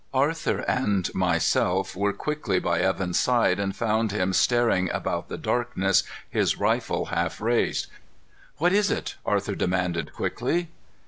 Arthur and myself were quickly by Evan's side and found him staring about the darkness, his rifle half raised. "What is it?" Arthur demanded quickly.